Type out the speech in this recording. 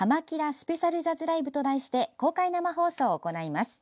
スペシャルジャズライブと題して公開生放送を行います。